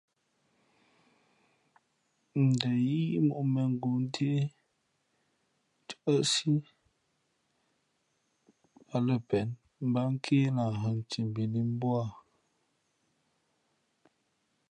Ndα yíí mōʼ mēngoo ntě, ncάʼsǐ á lα pēn mbát nké lahhᾱ nthimbi nǐ mbū â.